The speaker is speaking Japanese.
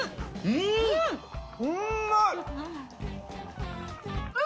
うんまい！